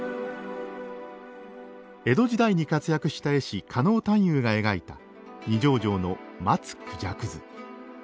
江戸時代に活躍した絵師狩野探幽が描いた二条城の「松孔雀図」。